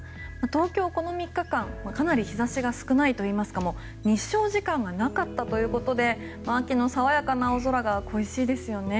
東京はこの３日間かなり日差しが少ないといいますか日照時間がなかったということで秋の爽やかな青空が恋しいですよね。